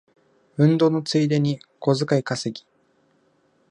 運動のついでに小遣い稼ぎ